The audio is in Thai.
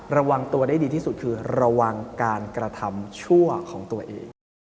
ระวังตัวได้ดีที่สุดคือระวังการกระทำชั่วของตัวเอง